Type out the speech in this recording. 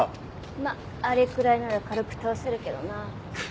まっあれくらいなら軽く倒せるけどな。